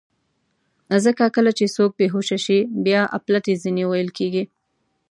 ځکه کله چې څوک بېهوښه شي، بیا اپلتې ځینې ویل کېږي.